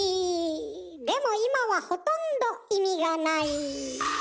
でも今はほとんど意味がない。